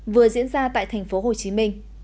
vừa diễn ra tại tp hcm